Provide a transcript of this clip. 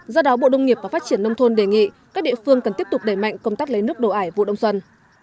do đó bộ đông nghiệp và phát triển nông thôn đề nghị các địa phương cần tiếp tục đẩy mạnh công tác lấy nước đồ ải vụ đông xuân